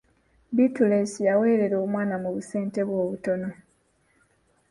Bittuleesi yaweerera omwana mu busente bwe obutono.